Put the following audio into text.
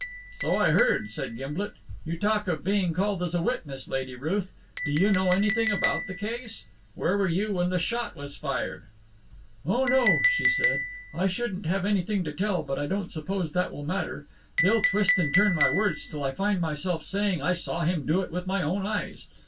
"So I heard," said Gimblet "You talk of being called as a witness, Lady Ruth. Do you know anything about the case? Where were you when the shot was fired?" "Oh no," she said, "I shouldn't have anything to tell, but I don't suppose that will matter. They'll twist and turn my words till I find myself saying I saw him do it with my own eyes.